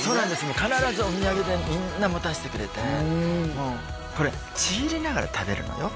もう必ずお土産でみんな持たせてくれてもうこれちぎりながら食べるのよ